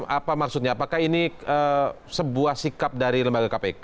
apa maksudnya apakah ini sebuah sikap dari lembaga kpk